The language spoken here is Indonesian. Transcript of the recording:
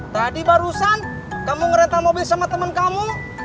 tadi barusan kamu ngerental mobil sama teman kamu